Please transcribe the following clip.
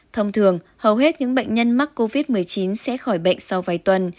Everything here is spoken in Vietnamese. thông thường hầu hết những bệnh nhân mắc covid một mươi chín sẽ khỏi bệnh sau vài tuần